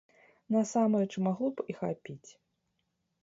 Насамрэч, магло б і хапіць.